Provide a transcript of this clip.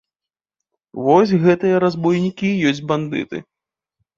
Вось гэтыя разбойнікі і ёсць бандыты.